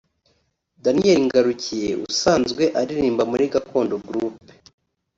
Daniel Ngarukiye usanzwe aririmba muri Gakondo Group